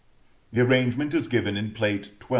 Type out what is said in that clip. The arrangement is given in Plate XII.